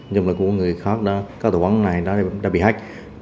nhưng mà cũng có người khác đã các tài khoản này đã bị hack